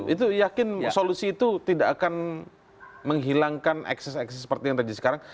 itu yakin solusi itu tidak akan menghilangkan ekses ekses seperti yang terjadi sekarang